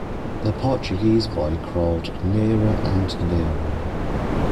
The Portuguese boy crawled nearer and nearer.